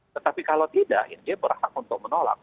tetapi kalau tidak dia berhak untuk menolak